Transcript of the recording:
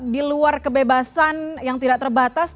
di luar kebebasan yang tidak terbatas